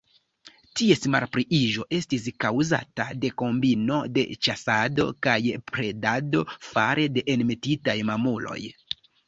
Ties malpliiĝo estis kaŭzata de kombino de ĉasado kaj predado fare de enmetitaj mamuloj.